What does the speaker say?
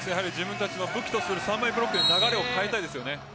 自分たちの武器とする３枚ブロックで流れを変えたいですね。